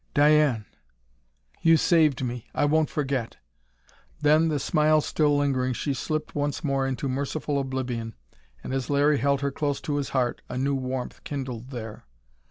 "Diane!" "You saved me. I won't forget." Then, the smile still lingering, she slipped once more into merciful oblivion, and as Larry held her close to his heart, a new warmth kindled there.